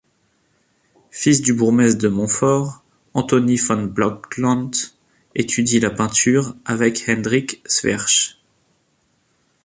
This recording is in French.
Fils du bourgmestre de Montfoort, Anthonie van Blocklandt étudie la peinture avec Hendrick Sweersz.